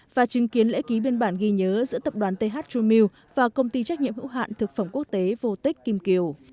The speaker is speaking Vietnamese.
và chứng kiến lễ ký biên bản ghi nhớ giữa tập đoàn th true meal và công ty trách nhiệm hữu hạn thực phẩm quốc tế vô tích kim kiều